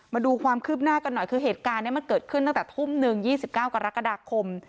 มาดูความคืบหน้ากันหน่อยคือเหตุการณ์นี้มันเกิดขึ้นตั้งแต่ทุ่มหนึ่ง๒๙กรกฎาคม